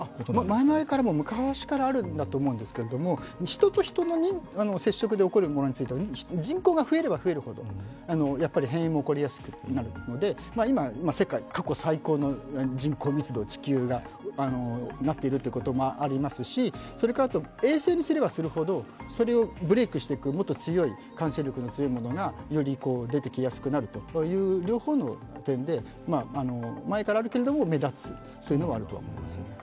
前々から、昔からあると思うんですけれども、人と人の接触で起こるものについては人口が増えれば増えるほどやっぱり変異も起こりやすくなるので今、世界過去最高の人口密度に地球がなっていることがありますし、それから、衛生にすればするほど、それをブレークしていく、もっと感染力の強いものがより出やすくなるということで両方の点で、前からあるけれども目立つ、そういうのはあるかと思います。